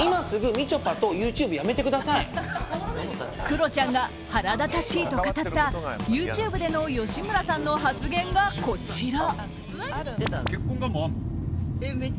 クロちゃんが腹立たしいと語ったＹｏｕＴｕｂｅでの吉村さんの発言がこちら。